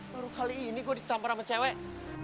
baru kali ini gue dicampar sama cewek